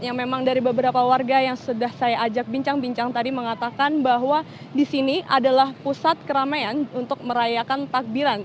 yang memang dari beberapa warga yang sudah saya ajak bincang bincang tadi mengatakan bahwa di sini adalah pusat keramaian untuk merayakan takbiran